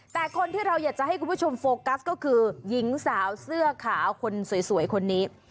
แต่คนที่เราอยากจะให้คุณผู้ชมโฟกัสก็คือหญิงสาวเสื้อขาวคนสวยคนนี้